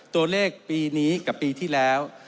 ตัวเลขปีนี้กับปีที่แล้ว